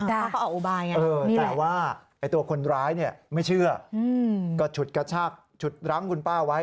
แต่ว่าตัวคนร้ายเนี่ยไม่เชื่อก็ฉุดกระชากฉุดรั้งคุณป้าไว้